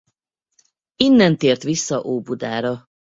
Innen tért vissza Óbudára.